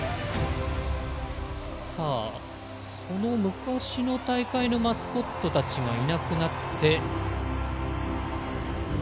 昔の大会のマスコットたちがいなくなって。